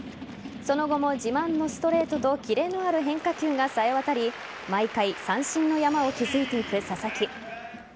その後も自慢のストレートとキレのある変化球がさえわたり毎回、三振の山を築いていく佐々木。